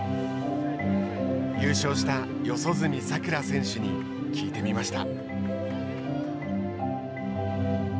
優勝した四十住さくら選手に聞いてみました。